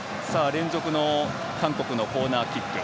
連続の韓国のコーナーキック。